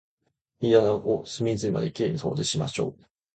部屋を隅々まで綺麗に掃除しましょう。